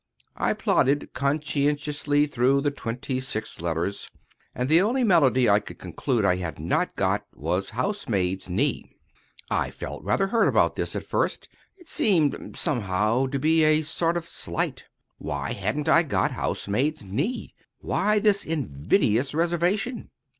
I plodded conscientiously through the twenty six letters, and the only malady I could conclude I had not got was housemaid's knee. I felt rather hurt about this at first; it seemed somehow to be a sort of slight. Why hadn't I got housemaid's knee? Why this invidious reservation?